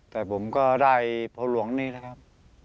แต่ผมก็ได้พ่อหลวงนี่นะครับ